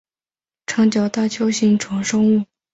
长角大锹形虫生物。